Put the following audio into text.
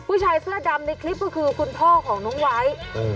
ผู้ชายเสื้อดำในคลิปก็คือคุณพ่อของน้องไวท์